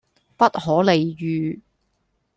不可理喻